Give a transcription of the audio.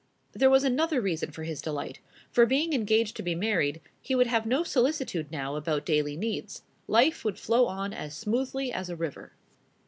There was another reason for his delight; for being engaged to be married, he would have no solicitude now about daily needs: life would flow on as smoothly as a river.